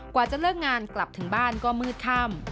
กว่าจะเลิกงานกลับถึงบ้านก็มืดค่ำ